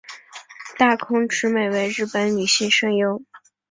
大空直美为日本女性声优。